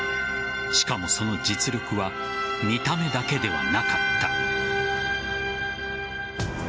しかもその実力は見た目だけではなかった。